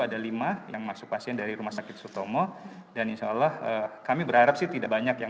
ada lima yang masuk pasien dari rumah sakit sutomo dan insya allah kami berharap sih tidak banyak yang